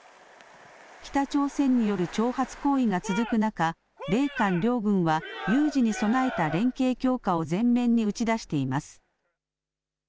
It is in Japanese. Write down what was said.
北朝鮮による挑発行為が続く中、米韓両軍は有事に備えた連携強化を前面に打ち出しています。